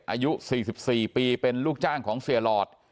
อายุ๔๔ปีเป็นลูกจ้างของเสียหลอด